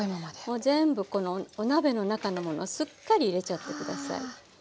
もう全部このお鍋の中のものすっかり入れちゃって下さい。